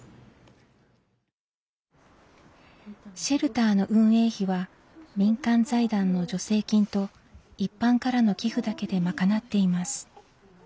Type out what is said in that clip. シェルターの運営費は民間財団の助成金と一般からの寄付だけで賄っています。